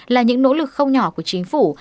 là những nỗ lực không nhỏ của chính phủ